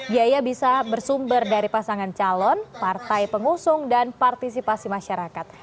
biaya bisa bersumber dari pasangan calon partai pengusung dan partisipasi masyarakat